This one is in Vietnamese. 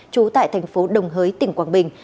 chú tại thành phố đồng hới tỉnh quảng bình